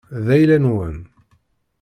D ayla-nwen.